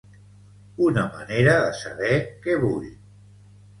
Una manera de saber què vull.